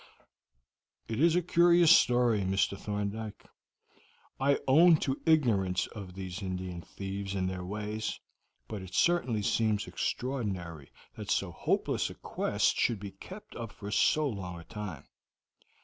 "It is a curious story, Mr. Thorndyke. I own to ignorance of these Indian thieves and their ways, but it certainly seems extraordinary that so hopeless a quest should be kept up for so long a time.